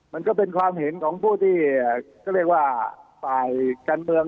มันก็เป็นความเห็นของผู้ที่เขาเรียกว่าฝ่ายการเมือง